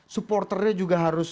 supporternya juga harus